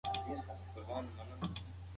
مور د ماشوم د خطر پر وړاندې خبرده ده.